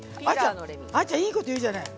あーちゃんいいこと言うじゃない。